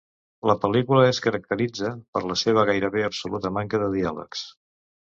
La pel·lícula es caracteritza per la seva gairebé absoluta manca de diàlegs.